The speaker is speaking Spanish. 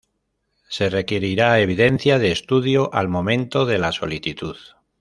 Se requerirá evidencia de estudio al momento de la solicitud.